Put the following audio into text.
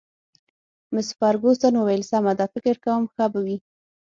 مس فرګوسن وویل: سمه ده، فکر کوم ښه به وي.